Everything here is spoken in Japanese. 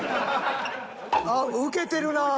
あっウケてるな。